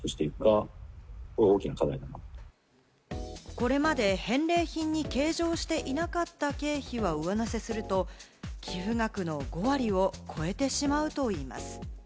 これまで返礼品に計上していなかった経費を上乗せすると寄付額の５割を超えてしまうといいます。